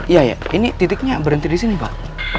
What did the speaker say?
iya ya ini titiknya berencana disini pak